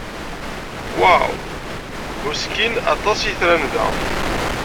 Waw! Hhuskin aṭas yitran da.